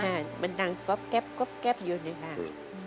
มันก็มันหนังก๊อบแก๊บก็มันมาถึงตะก